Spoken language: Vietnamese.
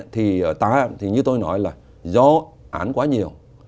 thì như tôi nói là do án quá nhiều